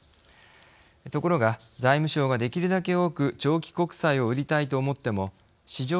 ところが財務省ができるだけ多く長期国債を売りたいと思っても市場のニーズには限りがあります。